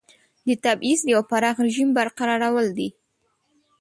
د تبعیض د یوه پراخ رژیم برقرارول دي.